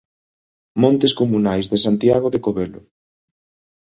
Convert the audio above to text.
Montes comunais de Santiago de Covelo.